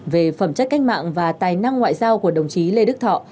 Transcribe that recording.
về phẩm chất cách mạng và tài năng ngoại giao của đồng chí lê đức thọ